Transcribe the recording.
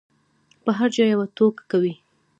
په هر چا یوه ټوکه کوي.